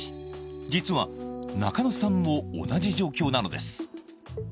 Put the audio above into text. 実は中野さんも同じ状況なのです。